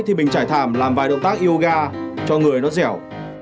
thì mình trải thảm làm vài động tác yoga cho người nó dẻo